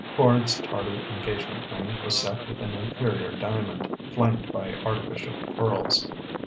Quard's tardy engagement ring was set with an inferior diamond flanked by artificial pearls.